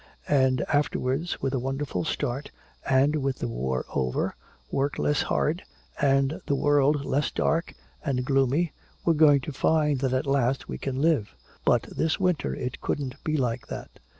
And afterwards, with a wonderful start and with the war over, work less hard and the world less dark and gloomy we're going to find that at last we can live! But this winter it couldn't be like that.